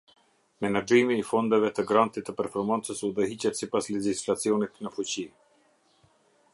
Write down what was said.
Menaxhimi i fondeve të grantit të performancës udhëhiqet sipas legjislacionit në fuqi.